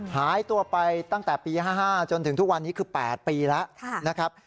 หายตัวไปตั้งแต่ปี๕๕จนถึงทุกวันนี้คือ๘ปีแล้วนะครับ